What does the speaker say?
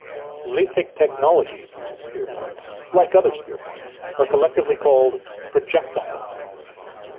Lithic technology fluted spear points, like other spear points, are collectively called projectile points.